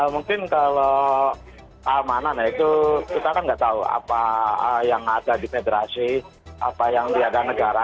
mungkin kalau keamanan ya itu kita kan nggak tahu apa yang ada di federasi apa yang tiada negara